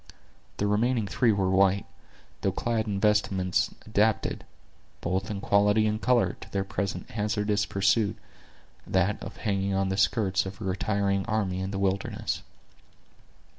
The remaining three were white, though clad in vestments adapted, both in quality and color, to their present hazardous pursuit—that of hanging on the skirts of a retiring army in the wilderness.